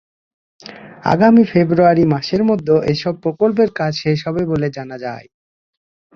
আগামী ফেব্রুয়ারি মাসের মধ্যে এসব প্রকল্পের কাজ শেষ হবে বলে জানা যায়।